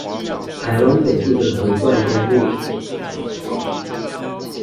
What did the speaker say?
臺灣北部的橫貫公路